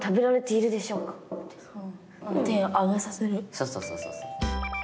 そうそうそうそうそう。